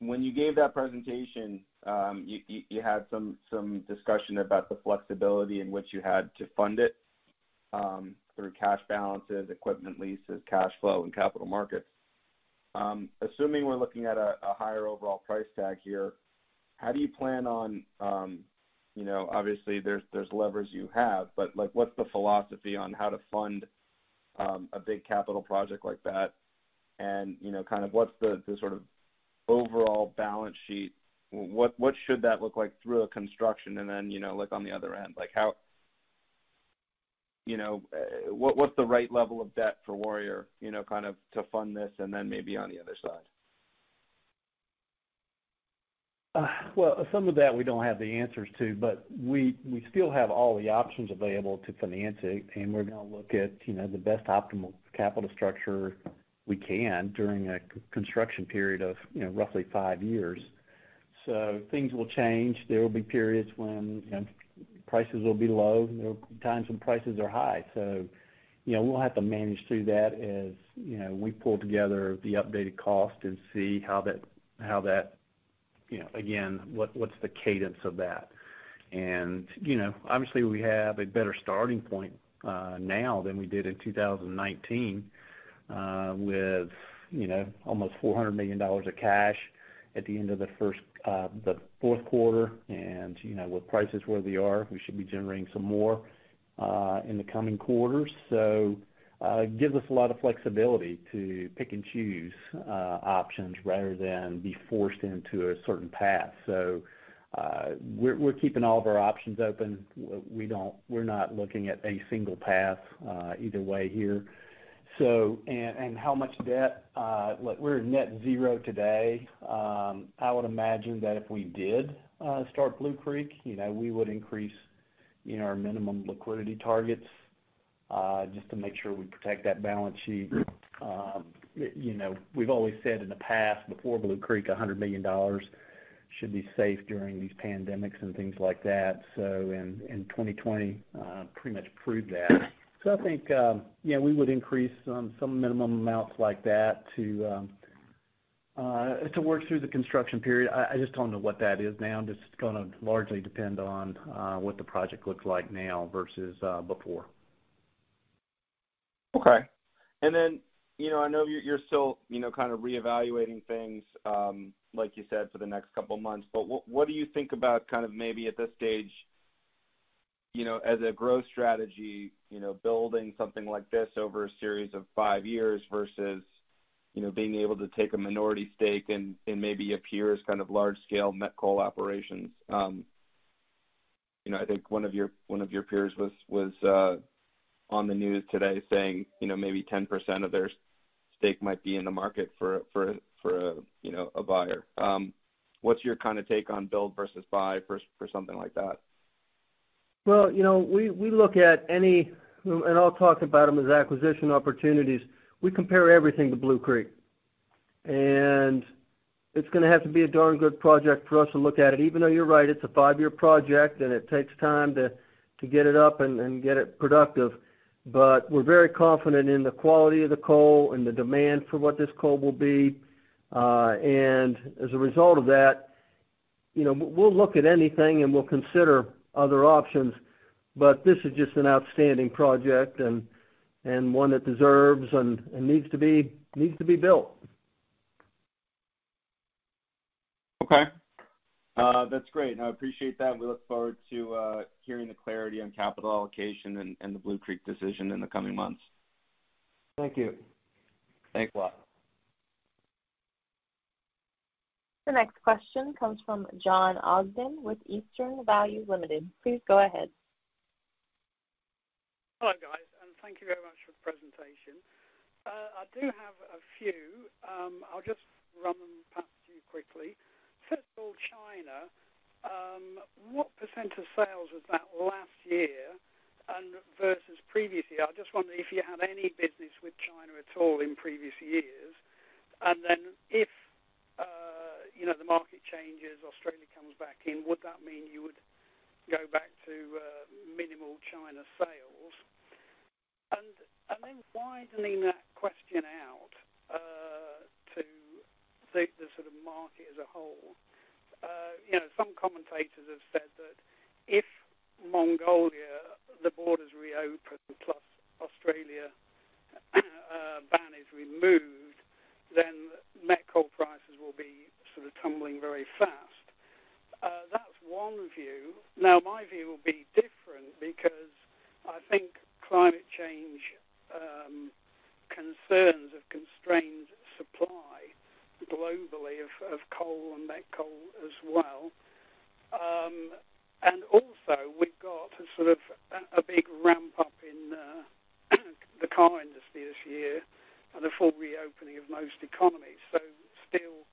When you gave that presentation, you had some discussion about the flexibility in which you had to fund it through cash balances, equipment leases, cash flow, and capital markets. Assuming we're looking at a higher overall price tag here, how do you plan on obviously there's levers you have, but like, what's the philosophy on how to fund a big capital project like that?, kind of what's the sort of overall balance sheet? What should that look like through a construction?, like on the other end, like how what's the right level of debt for warrior kind of to fund this and then maybe on the other side? Well, some of that we don't have the answers to, but we still have all the options available to finance it, and we're gonna look at the best optimal capital structure we can during a construction period of roughly five years. Things will change. There will be periods when prices will be low. There will be times when prices are high., we'll have to manage through that as we pull together the updated cost and see how that again, what's the cadence of that. Obviously we have a better starting point now than we did in 2019, with almost $400 million of cash at the end of theQ4., with prices where they are, we should be generating some more in the coming quarters. It gives us a lot of flexibility to pick and choose options rather than be forced into a certain path. We're keeping all of our options open. We're not looking at a single path either way here. How much debt? Look, we're at net zero today. I would imagine that if we did start Blue creek we would increase our minimum liquidity targets just to make sure we protect that balance sheet., we've always said in the past, before Blue Creek, $100 million should be safe during these pandemics and things like that. In 2020, pretty much proved that. I think, yeah, we would increase some minimum amounts like that to work through the construction period. I just don't know what that is now. Just gonna largely depend on what the project looks like now versus before. Okay., I know you're still, kind of reevaluating things, like you said, for the next couple of months. What do you think about kind of maybe at this stage as a growth strategy building something like this over a series of five years versus being able to take a minority stake and maybe acquire kind of large scale met coal operations?, I think one of your peers was on the news today saying maybe 10% of their stake might be in the market for a buyer. What's your kind of take on build versus buy for something like that? well we look at any. I'll talk about them as acquisition opportunities. We compare everything to Blue Creek. It's gonna have to be a darn good project for us to look at it, even though you're right, it's a five-year project, and it takes time to get it up and get it productive. We're very confident in the quality of the coal and the demand for what this coal will be. As a result of that we'll look at anything and we'll consider other options. This is just an outstanding project and one that deserves and needs to be built. Okay. That's great. I appreciate that, and we look forward to hearing the clarity on capital allocation and the Blue Creek decision in the coming months. Thank you. Thanks a lot. The next question comes from John Ogden with Eastern Value Limited. Please go ahead. Hello, guys, and thank you very much for the presentation. I have a few. I'll just run them past you quickly. First of all, China, what % of sales was that last year and versus previous year? I'm just wondering if you had any business with China at all in previous years. If, the market changes, Australia comes back in, would that mean you would go back to minimal China sales? Widening that question out to the sort of market as a whole., some commentators have said that if Mongolia, the borders reopen, plus Australia ban is removed, then met coal prices will be sort of tumbling very fast. That's one view. Now my view will be different because I think climate change concerns have constrained supply globally of coal and met coal as well. Also we've got sort of a big ramp up in the car industry this year and a full reopening of most economies. Still,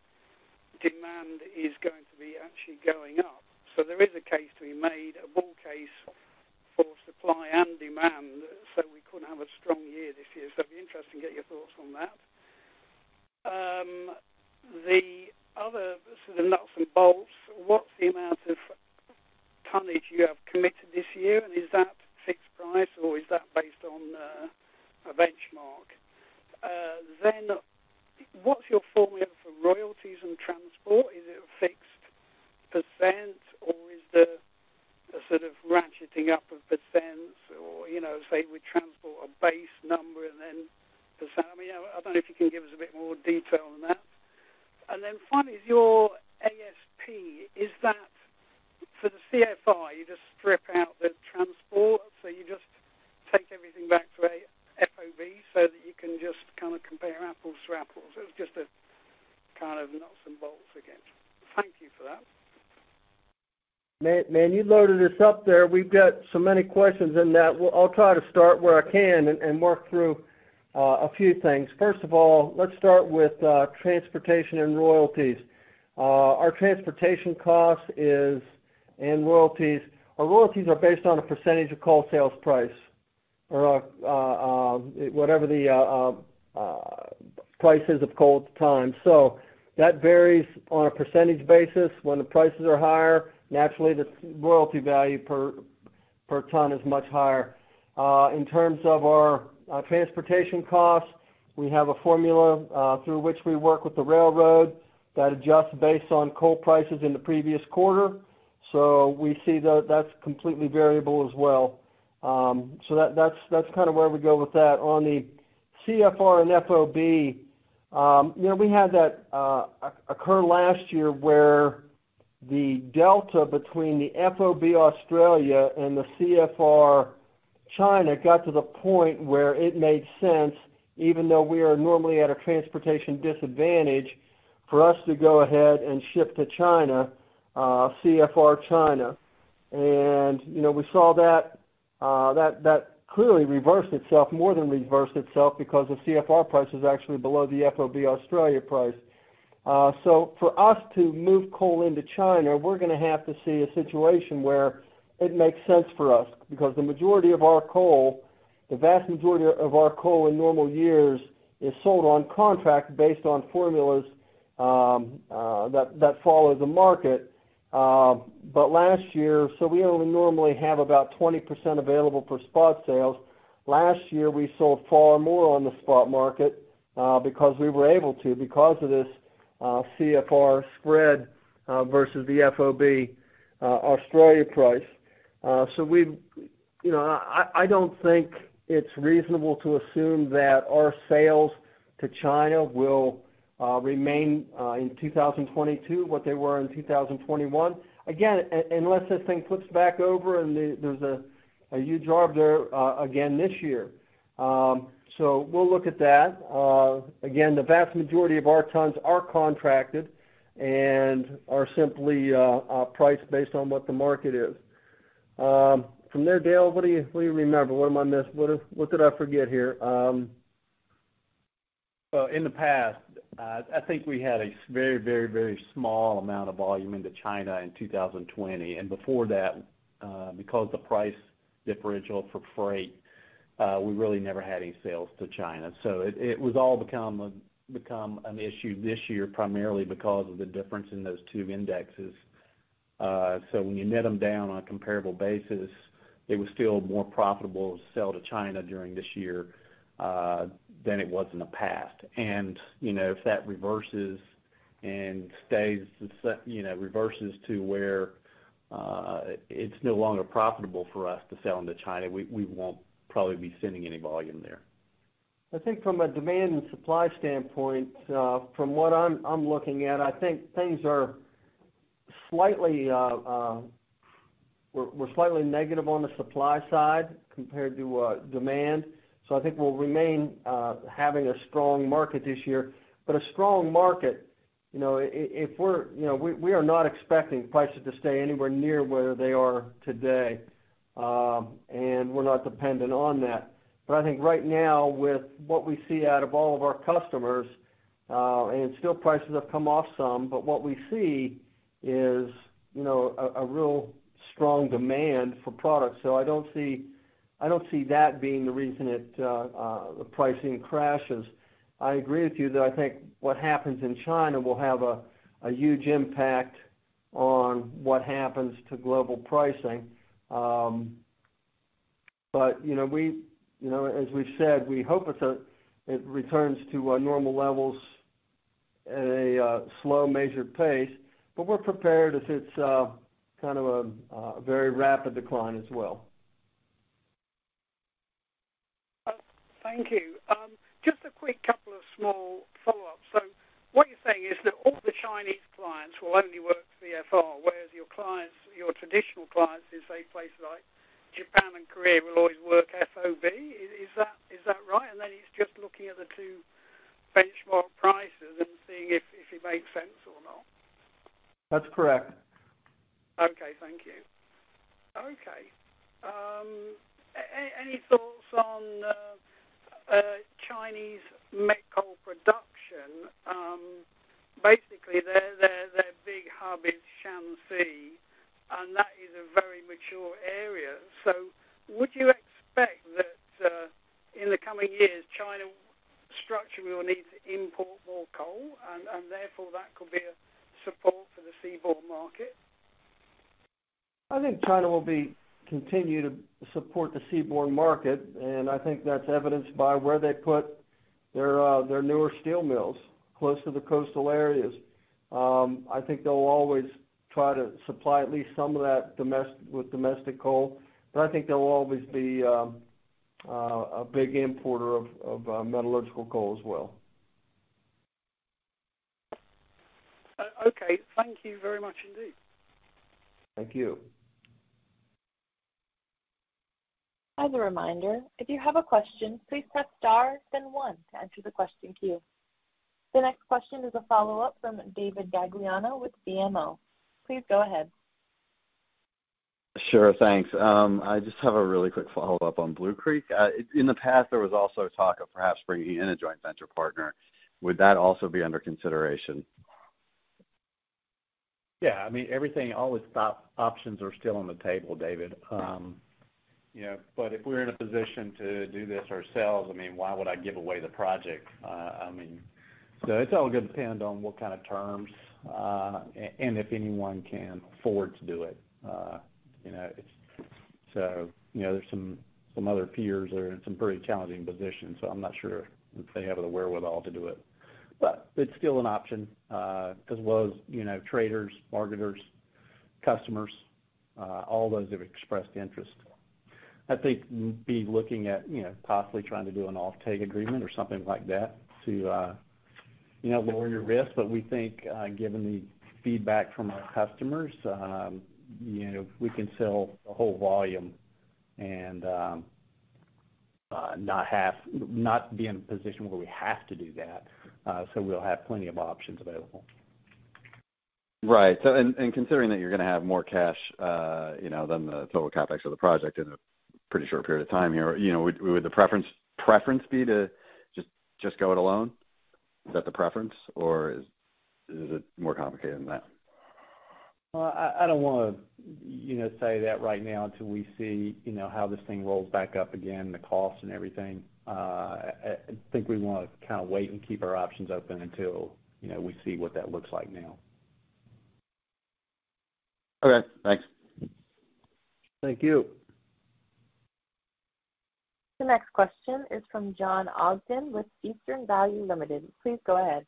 demand is going to be actually going up. There is a case to be made, a bull royalty value per ton is much higher. In terms of our transportation costs, we have a formula through which we work with the railroad that adjusts based on coal prices in the previous quarter. So we see that that's completely variable as well. So that's kind of where we go with that. On the CFR and fob we had that occur last year where the delta between the FOB Australia and the CFR China got to the point where it made sense, even though we are normally at a transportation disadvantage, for us to go ahead and ship to China, CFR China., we saw that clearly reversed itself, more than reversed itself because the CFR price is actually below the FOB Australia price. For us to move coal into China, we're gonna have to see a situation where it makes sense for us because the majority of our coal, the vast majority of our coal in normal years is sold on contract based on formulas that follow the market. We only normally have about 20% available for spot sales. Last year, we sold far more on the spot market because we were able to because of this CFR spread versus the FOB Australia price., I don't think it's reasonable to assume that our sales to China will remain in 2022 what they were in 2021. Again, unless this thing flips back over and there's a huge arb there again this year. We'll look at that. Again, the vast majority of our tons are contracted and are simply priced based on what the market is. From there, Dale, what do you remember? What have I missed? What did I forget here? In the past, I think we had a very small amount of volume into China in 2020. Before that, because the price Differential for freight, we really never had any sales to China. It became an issue this year, primarily because of the difference in those two indexes. When you net them down on a comparable basis, it was still more profitable to sell to China during this year than it was in the past., if that reverses to where it's no longer profitable for us to sell into China, we won't probably be sending any volume there. I think from a demand and supply standpoint, from what I'm looking at, I think things are slightly, we're slightly negative on the supply side compared to demand. I think we'll remain having a strong market this year. A strong market if we're we are not expecting prices to stay anywhere near where they are today, and we're not dependent on that. I think right now, with what we see out of all of our customers, and still prices have come off some, but what we see is a real strong demand for products. I don't see that being the reason the pricing crashes. I agree with you that I think what happens in China will have a huge impact on what happens to global pricing. , we, as we've said, we hope it returns to normal levels at a slow, measured pace. We're prepared if it's kind of a very rapid decline as well. Thank you. Just a quick couple of small follow-ups. What you're saying is that all the Chinese clients will only work CFR, whereas your clients, your traditional clients in, say, places like Japan and Korea will always work FOB. Is that right? It's just looking at the two benchmark prices and seeing if it makes sense or not. That's correct. Okay, thank you. Okay, any thoughts on Chinese met coal production? Basically, their big hub is Shanxi, and that is a very mature area. Would you expect that, in the coming years, China structurally will need to import more coal and therefore that could be a support for the seaborne market? I think China will be continuing to support the seaborne market, and I think that's evidenced by where they put their newer steel mills, close to the coastal areas. I think they'll always try to supply at least some of that with domestic coal. I think they'll always be a big importer of metallurgical coal as well. Okay, thank you very much indeed. Thank you. As a reminder, if you have a question, please press star then one to enter the question queue. The next question is a follow-up from David Gagliano with BMO. Please go ahead. Sure, thanks. I just have a really quick follow-up on Blue Creek. In the past, there was also talk of perhaps bringing in a joint venture partner. Would that also be under consideration? Yeah. I mean, everything, all the options are still on the table, David., but if we're in a position to do this ourselves, I mean, why would I give away the project? I mean, it's all gonna depend on what kind of terms and if anyone can afford to do it., it's there's some other peers that are in some pretty challenging positions, so I'm not sure if they have the wherewithal to do it. It's still an option, because, as well as traders, marketers, customers, all those have expressed interest. I think we'd be looking at possibly trying to do an offtake agreement or something like that to lower your risk. We think, given the feedback from our customers we can sell the whole volume and not be in a position where we have to do that, so we'll have plenty of options available. Right. Considering that you're gonna have more cash than the total CapEx of the project in a pretty short period of time here would the preference be to just go it alone? Is that the preference or is it more complicated than that? Well, I don't wanna say that right now until we see how this thing rolls back up again, the cost and everything. I think we wanna kind of wait and keep our options open until we see what that looks like now. Okay, thanks. Thank you. The next question is from John Ogden with Eastern Value Limited. Please go ahead.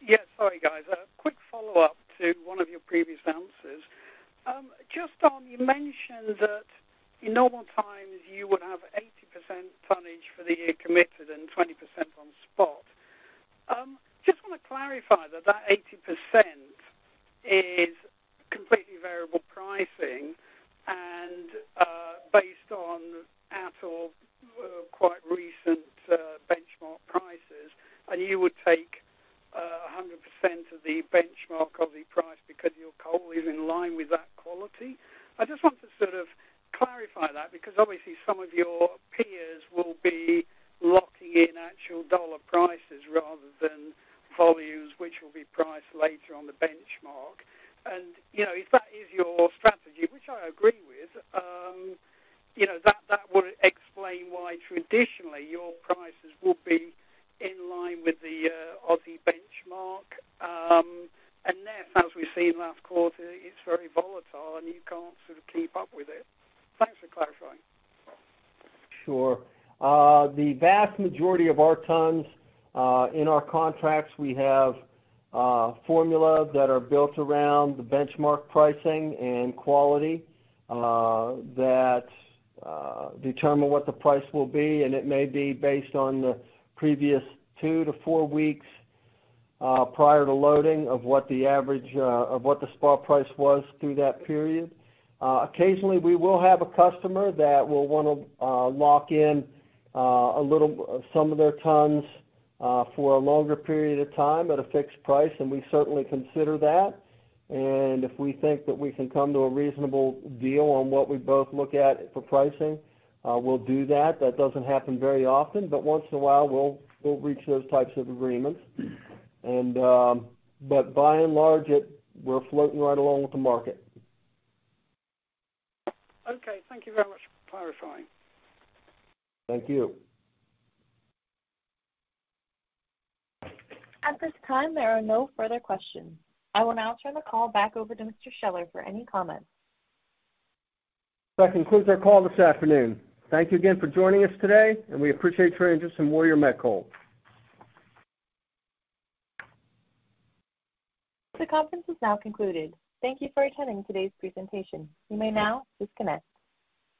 Yes, sorry, guys. A quick follow-up to one of your previous answers. Just on, you mentioned that in normal times you would have 80% tonnage for the year committed and 20% on spot. Just wanna clarify that 80% is completely variable pricing and based on at or quite recent benchmark prices, and you would take 100% of the benchmark Aussie price because your coal is in line with that quality. I just want to sort of clarify that because obviously some of your peers will be locking in actual dollar prices rather than volumes which will be priced later on the benchmark., if that is your strategy, which I agree with that would explain why traditionally your prices will be in line with the Aussie benchmark. As we've seen last quarter, it's very volatile, and you can't sort of keep up with it. Thanks for clarifying. Sure. The vast majority of our tons in our contracts, we have formulas that are built around the benchmark pricing and quality that determine what the price will be, and it may be based on the previous two-four weeks prior to loading of what the average of the spot price was through that period. Occasionally, we will have a customer that will wanna lock in some of their tons for a longer period of time at a fixed price, and we certainly consider that. If we think that we can come to a reasonable deal on what we both look at for pricing, we'll do that. That doesn't happen very often, but once in a while we'll reach those types of agreements. By and large, we're floating right along with the market. Okay. Thank you very much for clarifying. Thank you. At this time, there are no further questions. I will now turn the call back over to Mr. Scheller for any comments. That concludes our call this afternoon. Thank you again for joining us today, and we appreciate your interest in Warrior Met Coal. The conference is now concluded. Thank you for attending today's presentation. You may now disconnect.